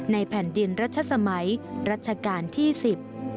แผ่นดินรัชสมัยรัชกาลที่สิบ